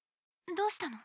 どうしたの？